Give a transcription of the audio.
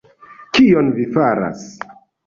kion vi faras!